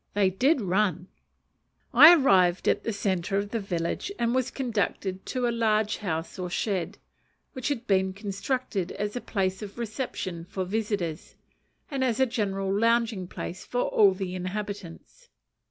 They did run! I arrived at the centre of the village and was conducted to a large house or shed, which had been constructed as a place of reception for visitors, and as a general lounging place for all the inhabitants.